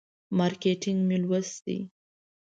مارکیټینګ مې لوستی.